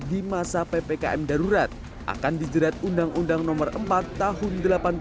di masa ppkm darurat akan dijerat undang undang no empat tahun seribu sembilan ratus delapan puluh empat